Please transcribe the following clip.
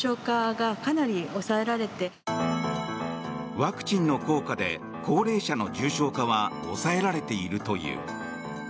ワクチンの効果で高齢者の重症化は抑えられているという。